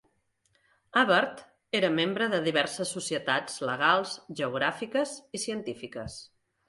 Abert era membre de diverses societats legals, geogràfiques i científiques.